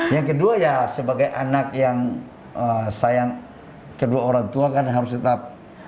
yang kedua ya sebagai anak yang sayang kedua orang tua kan harus tetap